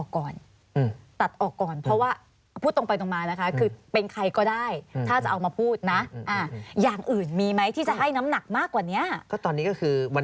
คืออะไรคะ